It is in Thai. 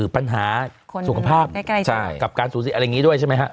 ปัญหาสุขภาพกับการสูตรสิทธิ์อะไรอย่างงี้ด้วยใช่ไหมครับ